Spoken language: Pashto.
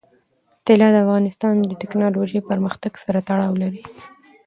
طلا د افغانستان د تکنالوژۍ پرمختګ سره تړاو لري.